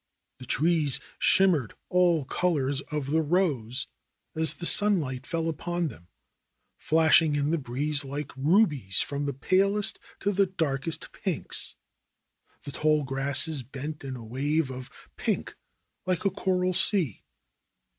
The trees shimmered all colors of the rose as the sunlight fell upon them, flashing in the breeze like rubies from the palest to the darkest pinks. The tall grasses bent in a wave of pink like a coral sea.